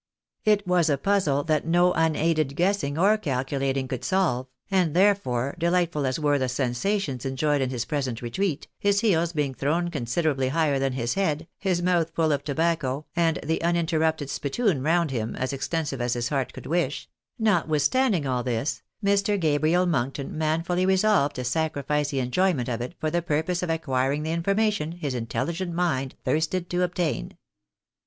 It was a puzzle that no unaided guessing or calculating could solve, and, therefore, delightful as were the sensations enjoyed in his present retreat, his heels being thrown considerably higher than his head, his mouth full of tobacco, and the uninterrupted spittoon around him as extensive as his heart could wish— notwithstanding all this, Mr. Gabriel Monkton man fully resolved to sacrifice the enjoyment of it for the purpose of acquiring the information his intelligent mind thirsted to obtain.